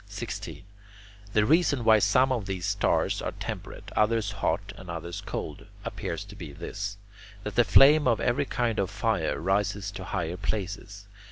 16. The reason why some of these stars are temperate, others hot, and others cold, appears to be this: that the flame of every kind of fire rises to higher places.